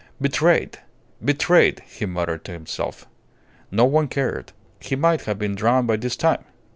"Betrayed! Betrayed!" he muttered to himself. No one cared. He might have been drowned by this time.